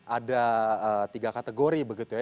ada tiga kategori begitu ya